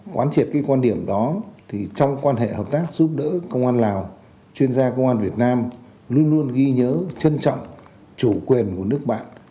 quán triệt cái quan điểm đó thì trong quan hệ hợp tác giúp đỡ công an lào chuyên gia công an việt nam luôn luôn ghi nhớ trân trọng chủ quyền của nước bạn